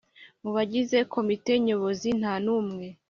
Mu bagize komite nyobozi nta n umwe